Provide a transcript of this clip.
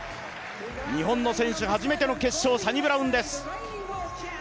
日本の選手初めての決勝サニブラウンです。